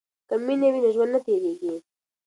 که مینه وي نو ژوند تیریږي.